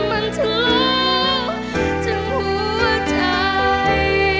และมันทะเลาจนหัวใจ